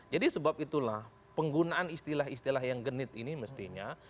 jadi sebab itulah penggunaan istilah istilah yang genit ini mestinya